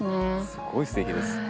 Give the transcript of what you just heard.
すごいすてきです。